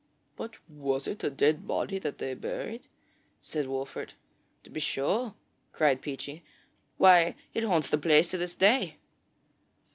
'But was it a dead body that was buried?' said Wolfert. 'To be sure,' cried Peechy. 'Why, it haunts the place to this day!'